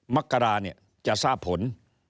มักราจะทราบผล